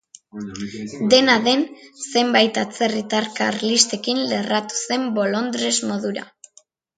Dena den zenbait atzerritar karlistekin lerratu zen bolondres modura.